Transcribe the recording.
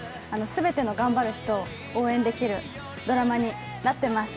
全ての頑張る人を応援できるドラマになっています。